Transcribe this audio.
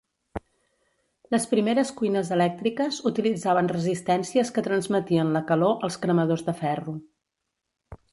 Les primeres cuines elèctriques utilitzaven resistències que transmetien la calor als cremadors de ferro.